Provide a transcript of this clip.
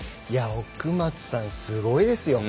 奥松さん、すごいですよ。